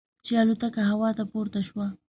چې الوتکه هوا ته پورته شوه.